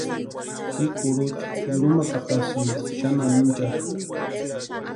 Ji kurucha yurhumakatasïnti xani anhinchakʼa.